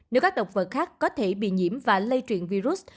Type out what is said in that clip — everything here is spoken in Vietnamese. nếu các động vật khác có thể bị nhiễm và lây truyền virus